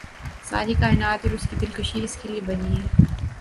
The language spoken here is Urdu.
ساری کائنات اور اس کی دلکشی اس کے لیے بنی ہے